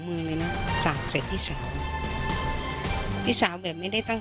มือเลยนะเซียปลูกเสียพี่สาวของพี่สาวแบบไม่ได้ตั้ง